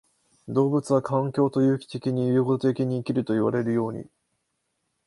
動物は環境と有機的に融合的に生きるといわれるように、